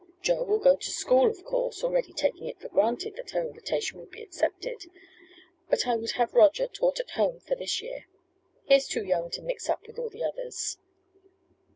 Joe will go to school, of course (already taking it for granted that her invitation would be accepted), but I would have Roger taught at home for this year. He is too young to mix up with all the others."